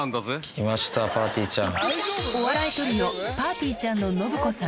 きましたぱーてぃーちゃん。